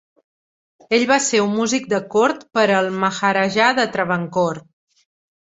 Ell va ser un músic de cort per al Maharajah de Travancore.